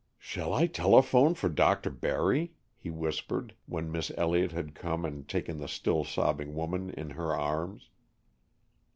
"Shall I telephone for Dr. Barry?" he whispered, when Miss Elliott had come and taken the still sobbing woman in her arms.